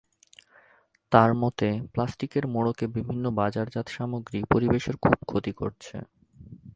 তাঁর মতে, প্লাস্টিকের মোড়কে বিভিন্ন বাজারজাত সামগ্রী পরিবেশের খুব ক্ষতি করছে।